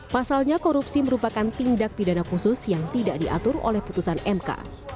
pasalnya korupsi merupakan tindak pidana khusus yang tidak diatur oleh putusan mk